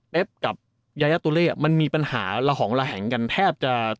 เจ็บกับยายาตุเรมันมีปัญหาหล่างกันแทบจะ